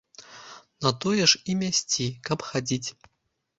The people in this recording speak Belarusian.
На тое ж і мясці, каб хадзіць.